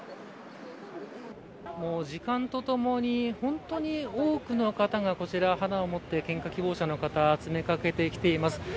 時間と共に、本当に多くの方が花を持って献花希望者の方が詰めかけてきています。